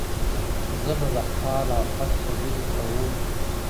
زه به د خال او خط خبري كوم-